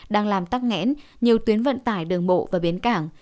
đang làm tắc nghẽn nhiều tuyến vận tải đường bộ và bến cảng